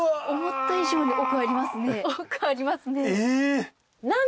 思った以上に奥ありますね